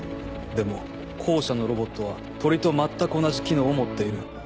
でも後者のロボットは鳥と全く同じ機能を持っている。